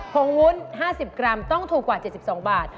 งวุ้น๕๐กรัมต้องถูกกว่า๗๒บาท